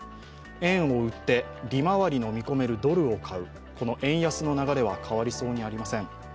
円を売って利回りの見込めるドルを買う、この円安の流れは変わりそうにありません。